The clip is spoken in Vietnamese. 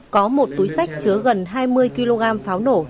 có một túi sách chứa gần hai mươi kg pháo nổ